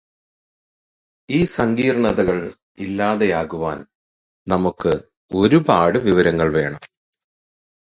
ഈ സങ്കീർണതകൾ ഇല്ലാതെയാക്കുവാൻ നമുക്ക് ഒരുപാട് വിവരങ്ങൾ വേണം.